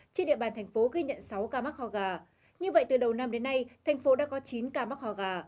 trên địa bàn thành phố ghi nhận sáu ca mắc ho gà như vậy từ đầu năm đến nay thành phố đã có chín ca mắc ho gà